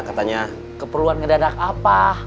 katanya keperluan ngedadak apa